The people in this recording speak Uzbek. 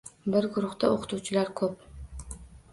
Bu guruhda o‘qituvchilar ko’p.